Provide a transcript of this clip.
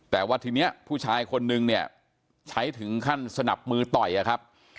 แต่ว่าทีนี้ผู้ชายคนนึงเนี่ยใช้ถึงขั้นสนับมือต่อยอะครับ